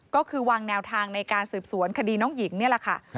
ก็คือวางแนวทางในการสืบสวนคดีน้องหญิงนี่แหละค่ะ